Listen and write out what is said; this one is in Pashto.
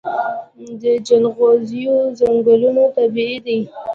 د جلغوزیو ځنګلونه طبیعي دي؟